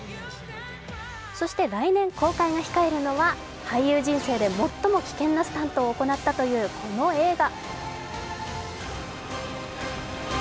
そして、来年公開が控えるのは俳優人生で最も危険なスタントを行ったというこの映画。